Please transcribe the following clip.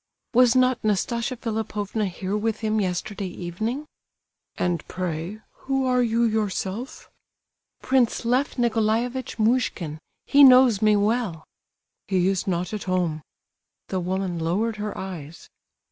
"Was not Nastasia Philipovna here with him, yesterday evening?" "And, pray, who are you yourself?" "Prince Lef Nicolaievitch Muishkin; he knows me well." "He is not at home." The woman lowered her eyes.